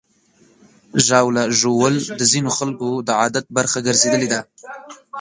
ژاوله ژوول د ځینو خلکو د عادت برخه ګرځېدلې ده.